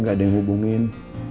gak ada yang hubungin